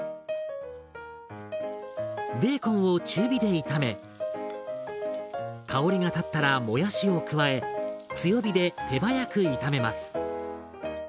ベーコンを中火で炒め香りが立ったらもやしを加え強火で手早く妙めます。